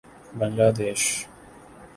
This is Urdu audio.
بنگلہ دیش